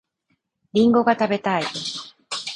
りんごが食べたい